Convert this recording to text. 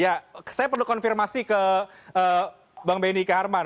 ya saya perlu konfirmasi ke bang benny ke harman